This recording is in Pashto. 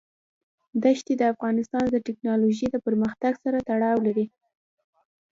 دښتې د افغانستان د تکنالوژۍ د پرمختګ سره تړاو لري.